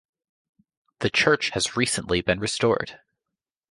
The church has recently been restored.